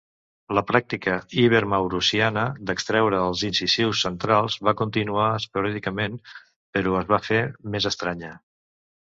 La pràctica ibermaurusiana d'extreure els incisius centrals va continuar esporàdicament, però es va fer més estranya.